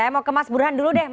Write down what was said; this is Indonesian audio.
saya mau ke mas burhan dulu deh